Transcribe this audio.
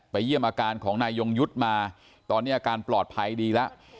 เยี่ยมอาการของนายยงยุทธ์มาตอนนี้อาการปลอดภัยดีแล้ว